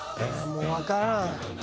「もうわからん」。